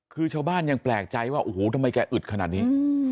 คือชาวบ้านยังแปลกใจว่าโอ้โหทำไมแกอึดขนาดนี้